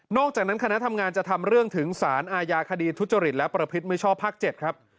อกจากนั้นคณะทำงานจะทำเรื่องถึงสารอาญาคดีทุจริตและประพฤติมิชชอบภาค๗ครับ